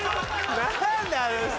何だあの人。